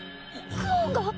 クオンが？